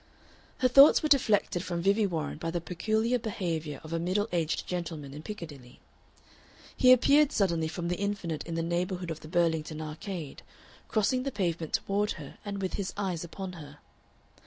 Her thoughts were deflected from Vivie Warren by the peculiar behavior of a middle aged gentleman in Piccadilly. He appeared suddenly from the infinite in the neighborhood of the Burlington Arcade, crossing the pavement toward her and with his eyes upon her.